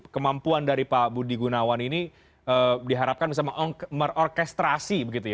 kemampuan dari pak budi gunawan ini diharapkan bisa merorkestrasi